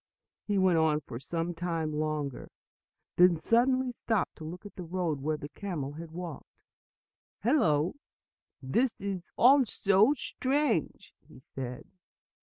He went on for some time longer, then suddenly stopped to look at the road where the camel had walked. "Hello, this is also strange!" he said.